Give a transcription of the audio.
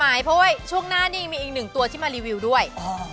เพราะว่าช่วงหน้านี่ยังมีอีกหนึ่งตัวที่มารีวิวด้วย